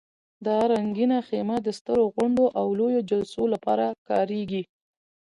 دا رنګینه خیمه د سترو غونډو او لویو جلسو لپاره کارېږي.